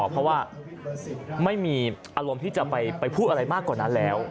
เพราะว่าไม่มีอารมณ์ที่จะไปพูดอะไรมากกว่านั้นแล้ว